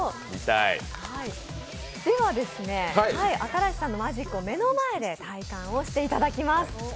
では、新子さんのマジックを目の前で体感をしていただきます。